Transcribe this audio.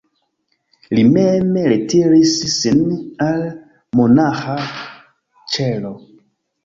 Li mem retiris sin al monaĥa ĉelo.